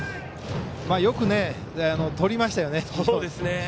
よくとりましたよね。